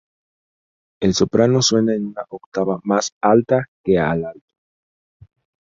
El soprano suena en una octava más alta que al alto.